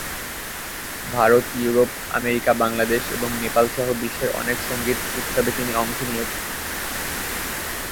Bharat, Europe, America, Bangladesh এবং নেপাল সহ বিশ্বের অনেক সংগীত উৎসবে তিনি অংশ নিয়েছেন।